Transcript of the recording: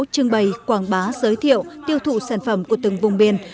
trưng bày quảng bá giới thiệu tiêu thụ sản phẩm của từng vùng biển